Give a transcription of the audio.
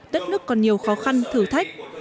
đất nước còn nhiều khó khăn thử thách